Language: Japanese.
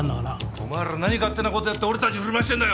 お前ら何勝手な事やって俺たち振り回してんだよ！